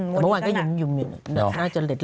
เมื่อวานก็ยุ่มน่าจะเล็ด